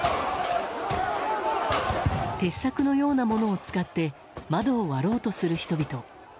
鉄柵のようなものを使って窓を割ろうとする人々。